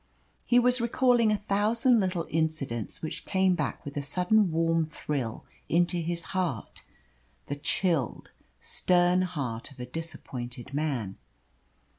He was recalling a thousand little incidents which came back with a sudden warm thrill into his heart, the chilled, stern heart of a disappointed man.